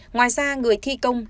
ngoài ra người thi công